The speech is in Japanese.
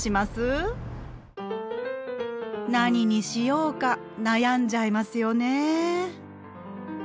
何にしようか悩んじゃいますよね。